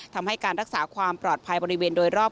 ทำให้การรักษาความปลอดภัยบริเวณโดยรอบ